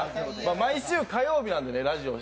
毎週火曜日なんでね、ラジオは。